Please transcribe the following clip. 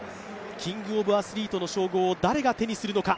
キングオブアスリートの称号を誰が手にするのか。